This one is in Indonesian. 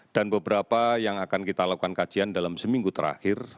dan beberapa yang akan kita lakukan kajian dalam seminggu terakhir